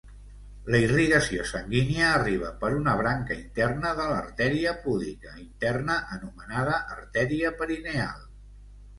La irrigació sanguínia arriba per una branca interna de l'artèria púdica interna, anomenada artèria perineal.